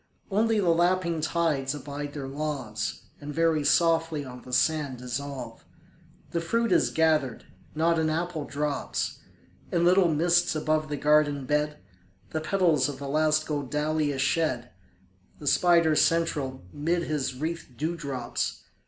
Only the lapping tides abide their laws, And very softly on the sand dissolve. The fruit is gathered not an apple drops: In little mists above the garden bed The petals of the last gold dahlia shed; The spider central 'mid his wreathed dewdrops!